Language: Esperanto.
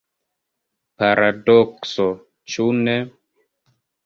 Paradokso, ĉu ne?